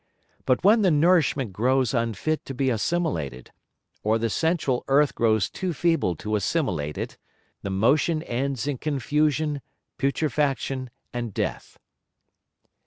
But when the Nourishment grows unfit to be assimilated, or the central Earth grows too feeble to assimilate it, the Motion ends in Confusion, Putrefaction, and Death.